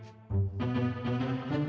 itu istri saya pak